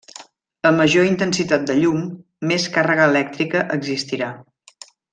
A major intensitat de llum, més càrrega elèctrica existirà.